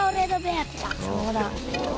「そうだ」